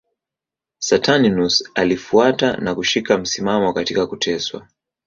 Saturninus alifuata na kushika msimamo katika kuteswa.